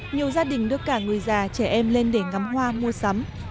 nhiều gia đình đưa cả người già trẻ em lên để ngắm hoa mua sắm